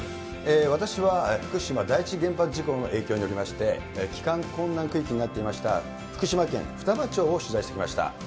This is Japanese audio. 私は福島第一原発事故の影響によりまして、帰還困難区域になっていました福島県双葉町を取材しました。